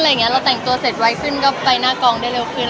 เราแต่งตัวเสร็จไวขึ้นก็ไปหน้ากองได้เร็วขึ้น